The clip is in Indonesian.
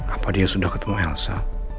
apa dia sudah ketemu elsa